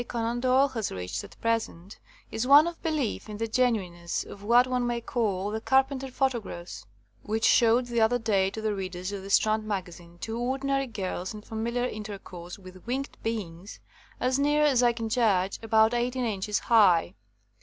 Conan Doyle has reached at present is one of belief in the genuineness of what one may call the Carpenter photographs, which showed the other day to the readers of the Strand Magazine two ordinary girls in familiar in 83 THE COMING OF THE FAIRIES tercourse with winged beings, as near as I can judge, about eighteen inches high.